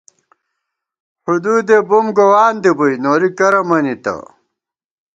حدودے بُم گووان دِبُوئی ، نوری کرہ مَنِتہ